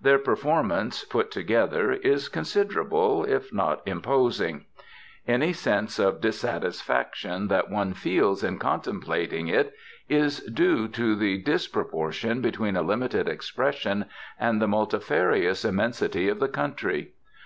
Their performance, put together, is considerable, if not imposing. Any sense of dissatisfaction that one feels in contemplating it is due to the disproportion between a limited expression and the multifarious immensity of the country.